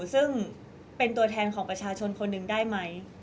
ซึ่งเป็นตัวแทนของประชาชนคนหนึ่งได้ไหม